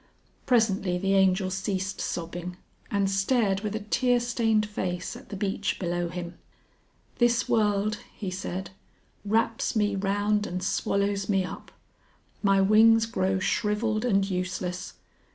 Presently the Angel ceased sobbing, and stared with a tear stained face at the beach below him. "This world," he said, "wraps me round and swallows me up. My wings grow shrivelled and useless.